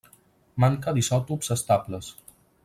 Manca d'isòtops estables.